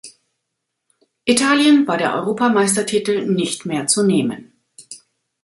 Italien war der Europameistertitel nicht mehr zu nehmen.